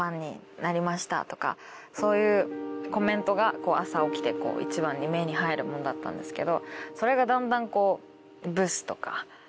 そういうコメントが朝起きて一番に目に入るものだったんですけどそれがだんだん。